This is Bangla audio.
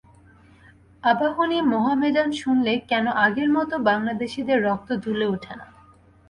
আবাহনী মোহামেডান শুনলে কেন আগের মতো বাংলাদেশিদের রক্ত দুলে ওঠে না?